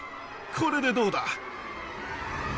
これでどうだ